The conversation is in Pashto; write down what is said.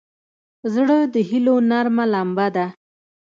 زړه د هيلو نرمه لمبه ده.